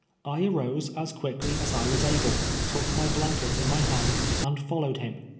I arose as quickly as I was able, took my blanket in my hand, and followed him.